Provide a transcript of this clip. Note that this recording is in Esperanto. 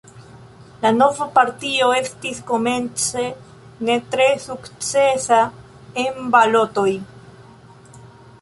La nova partio estis komence ne tre sukcesa en balotoj.